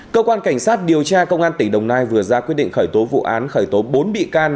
cơ quan cảnh sát điều tra công an tỉnh đồng nai vừa ra quyết định khởi tố vụ án khởi tố bốn bị can